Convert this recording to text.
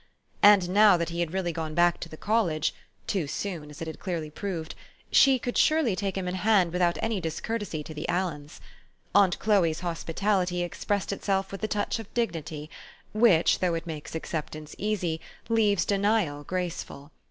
And now that he had really gone back to the college (too soon, as it had clearly proved), she could surely take him in hand without any discourtesy to the Aliens. Aunt Chloe's hospitality expressed itself with the touch of dignity, which 5 though it makes acceptance easy, leaves denial graceful.